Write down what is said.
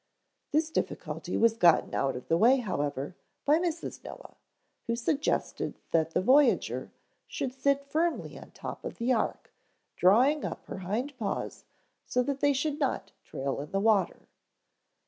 This difficulty was gotten out of the way, however, by Mrs. Noah, who suggested that the voyager should sit firmly on top of the ark, drawing up her hind paws so that they should not trail in the water.